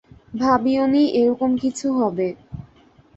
ভাবিওনি এরকম কিছু হবে।